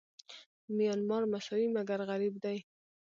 میانمار مساوي مګر غریب دی.